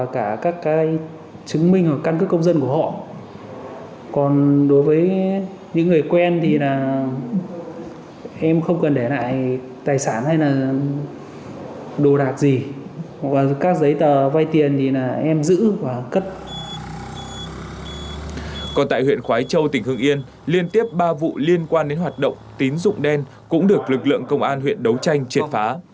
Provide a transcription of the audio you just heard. còn tại huyện khói châu tỉnh hưng yên liên tiếp ba vụ liên quan đến hoạt động tín dụng đen cũng được lực lượng công an huyện đấu tranh triệt phá